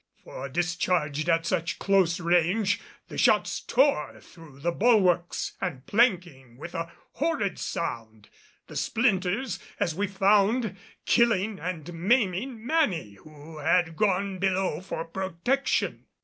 For discharged at such close range the shots tore through the bulwarks and planking with a horrid sound, the splinters, as we found, killing and maiming many who had gone below for protection.